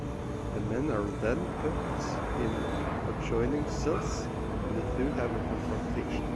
The men are then put in adjoining cells and the two have a confrontation.